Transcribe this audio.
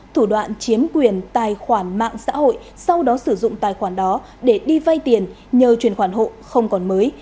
thủ đoạn chiếm quyền tài khoản mạng xã hội sau đó sử dụng tài khoản đó để đi vay tiền nhờ chuyển khoản hộ không còn mới